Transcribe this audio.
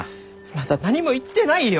まだ何も言ってないよ！